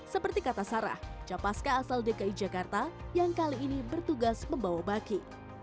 seperti kata sarah capaska asal dki jakarta yang kali ini bertugas membawa baki